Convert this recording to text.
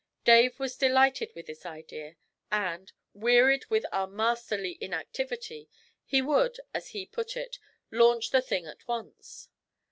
Dave was delighted with this idea, and, wearied with our 'masterly inactivity,' he would, as he put it, 'launch the thing at once.'